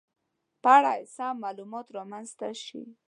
په اړه سم معلومات رامنځته شي